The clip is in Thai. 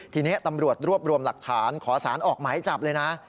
ทีนี้ตำรวจรวบรวมหลักฐานขอสารออกหมายจับเลยนะ